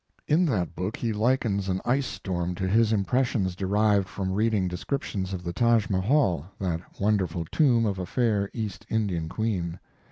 In that book he likens an ice storm to his impressions derived from reading descriptions of the Taj Mahal, that wonderful tomb of a fair East Indian queen.